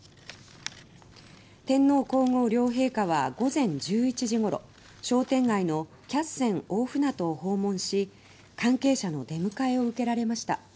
天皇皇后両陛下は午前１１時ごろ商店街のキャッセン大船渡訪問し関係者の出迎えを受けられました。